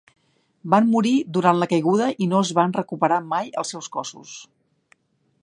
Van morir durant la caiguda i no es van recuperar mai els seus cossos.